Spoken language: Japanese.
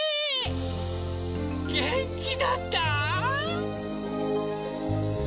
げんきだった？